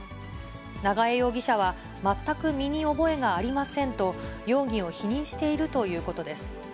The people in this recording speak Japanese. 長江容疑者は、全く身に覚えがありませんと、容疑を否認しているということです。